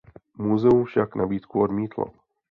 Muzeum však nabídku odmítlo.